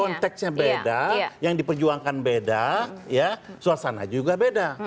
konteksnya beda yang diperjuangkan beda ya suasana juga beda